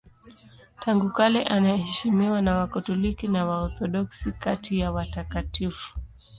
Tangu kale anaheshimiwa na Wakatoliki na Waorthodoksi kati ya watakatifu.